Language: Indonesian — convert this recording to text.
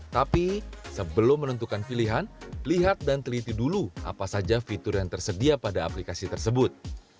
tapi sebelum menentukan pilihan lihat dan teliti dulu apa saja fitur yang tersedia pada aplikasi tersebut